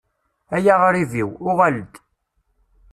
Ay aɣṛib-iw, uɣal-d.